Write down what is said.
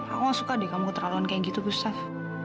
aku gak suka deh kamu keterlaluan kayak gitu gustaf